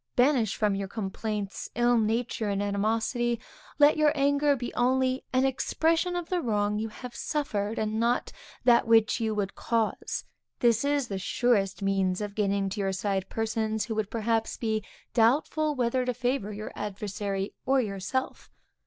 Banish from your complaints ill nature and animosity; let your anger be only an expression of the wrong you have suffered, and not of that which you would cause; this is the surest means of gaining to your side persons who would perhaps be doubtful whether to favor your adversary or yourself.